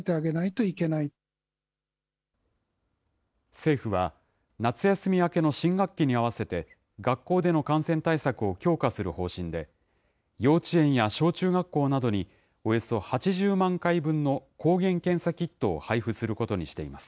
政府は夏休み明けの新学期に合わせて、学校での感染対策を強化する方針で、幼稚園や小中学校などに、およそ８０万回分の抗原検査キットを配布することにしています。